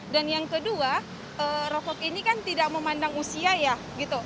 dan yang kedua rokok ini kan tidak memandang usia ya gitu